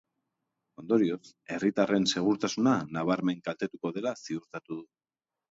Ondorioz, herritarren segurtasuna nabarmen kaltetuko dela ziurtatu du.